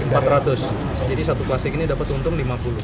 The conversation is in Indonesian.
jadi satu plastik ini dapat untung lima puluh